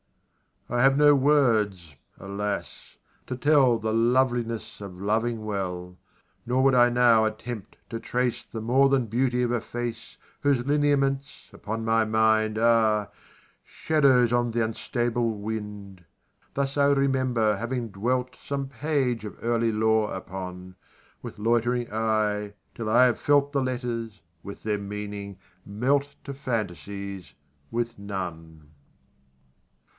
I have no words alas! to tell The loveliness of loving well! Nor would I now attempt to trace The more than beauty of a face Whose lineaments, upon my mind, Are shadows on th' unstable wind: Thus I remember having dwelt Some page of early lore upon, With loitering eye, till I have felt The letters with their meaning melt To fantasies with none.